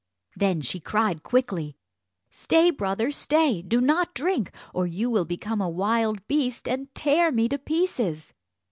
Then she cried quickly, "Stay, brother, stay! do not drink, or you will become a wild beast, and tear me to pieces."